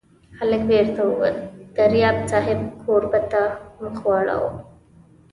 هلک بېرته ووت، دریاب صاحب کوربه ته مخ واړاوه.